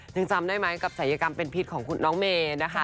จำได้ไหมกับศัยกรรมเป็นพิษของน้องเมย์นะคะ